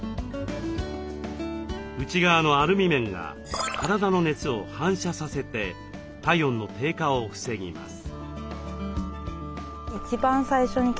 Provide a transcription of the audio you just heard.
内側のアルミ面が体の熱を反射させて体温の低下を防ぎます。